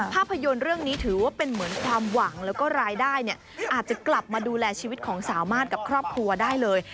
ภาพยนตร์เรื่องนี้ถือว่าเป็นเหมือนความหวังแล้วก็รายได้เนี่ยอาจจะกลับมาดูแลชีวิตของสามารถกับครอบครัวได้เลย